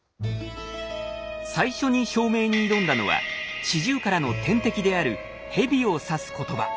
最初に証明に挑んだのはシジュウカラの天敵であるヘビを指す言葉。